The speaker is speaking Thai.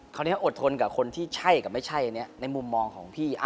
คราวนี้อดทนกับคนที่ใช่กับไม่ใช่ในมุมมองของพี่